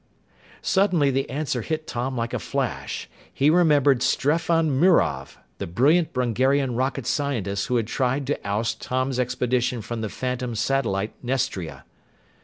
Suddenly the answer hit Tom like a flash. He resembled Streffan Mirov, the brilliant Brungarian rocket scientist who had tried to oust Tom's expedition from the phantom satellite Nestria.